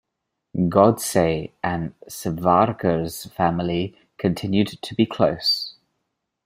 Godse and Savarkar's family continued to be close.